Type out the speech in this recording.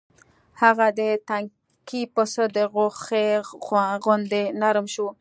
هغه د تنکي پسه د غوښې غوندې نرم شو.